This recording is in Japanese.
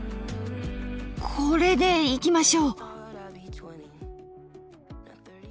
これでいきましょう。